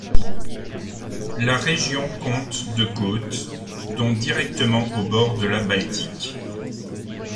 La région compte de côte, dont directement au bord de la Baltique.